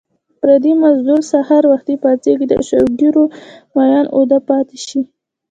پردی مزدور سحر وختي پاڅېږي د شوګیرو مین اوده پاتې شي